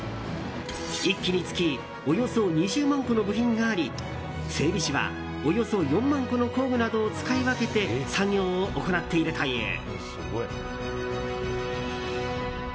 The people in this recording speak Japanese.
１機につきおよそ２０万個の部品があり整備士は、およそ４万個の工具などを使い分けて作業を行っているという。